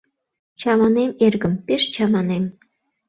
Чаманем, эргым, пеш чаманем.